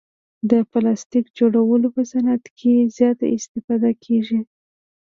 د پلاستیک جوړولو په صعنت کې زیاته استفاده کیږي.